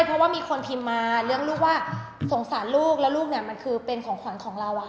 เพราะว่ามีคนพิมพ์มาเรื่องลูกว่าสงสารลูกแล้วลูกเนี่ยมันคือเป็นของขวัญของเรา